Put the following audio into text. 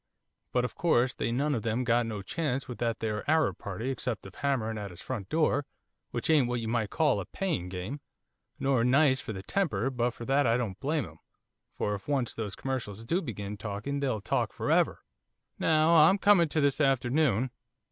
But of course they none of them got no chance with that there Arab party except of hammering at his front door, which ain't what you might call a paying game, nor nice for the temper, but for that I don't blame him, for if once those commercials do begin talking they'll talk for ever. 'Now I'm coming to this afternoon.